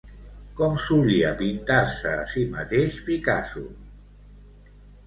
Com solia pintar-se a si mateix Picasso?